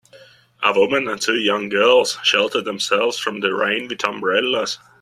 A woman and two young girls shelter themselves from the rain with umbrellas.